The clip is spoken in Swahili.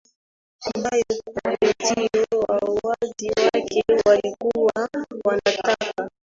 Ambayo kumbe ndiyo wauaji wake walikuwa wanataka